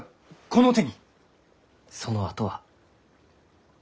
そのあとは？